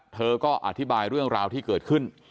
เธอก็อธิบายเรื่องราวที่เกิดขึ้น